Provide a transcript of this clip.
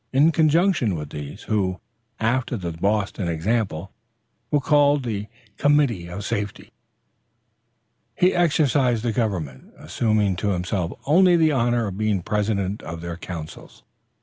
In conjunction with these, who, after the Boston example, were called the committee of safety, he exercised the government, assuming to himself only the honor of being president of their councils.